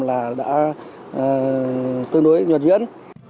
là đã tương đối nhuận duyên